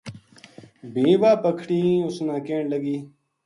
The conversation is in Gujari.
بھی واہ پکھنی اس نا کہن لگی